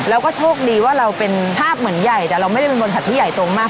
แล้วก็โชคดีว่าเราเป็นภาพเหมือนใหญ่แต่เราไม่ได้เป็นบริษัทที่ใหญ่ตรงมาก